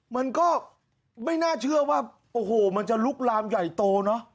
มันก็ไม่น่าเชื่อว่าโอ้โหมันจะลุกลามใหญ่โตเนอะ